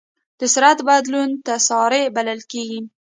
د سرعت بدلون تسارع بلل کېږي.